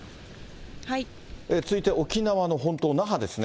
続いて沖縄の本島、那覇ですね。